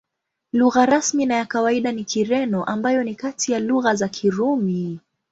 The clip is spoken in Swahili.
Lugha rasmi na ya kawaida ni Kireno, ambayo ni kati ya lugha za Kirumi.